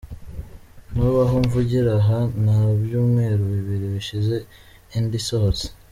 N’ubu aho mvugira aha nta byumweru bibiri bishize indi isohotse.